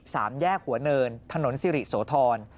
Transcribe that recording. สามแยกหัวเนินถนนสิริโสธร